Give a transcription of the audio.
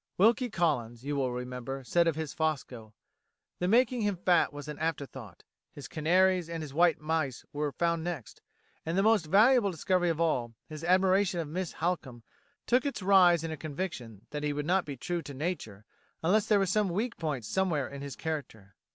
Wilkie Collins, you will remember, says of his Fosco: "The making him fat was an afterthought; his canaries and his white mice were found next; and the most valuable discovery of all, his admiration of Miss Halcombe, took its rise in a conviction that he would not be true to nature unless there was some weak point somewhere in his character."